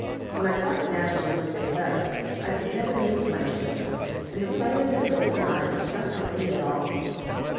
When I caught snatches of what they said, I could never make much of it; and the play of their lips and eyes did not help me at all."